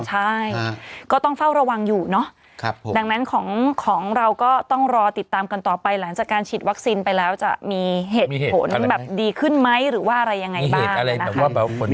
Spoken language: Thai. ใช่ก็ต้องเฝ้าระวังอยู่เนอะดังนั้นของเราก็ต้องรอติดตามกันต่อไปหลังจากการฉีดวัคซีนไปแล้วจะมีเหตุผลแบบดีขึ้นไหมหรือว่าอะไรยังไงบ้าง